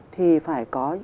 thì phải có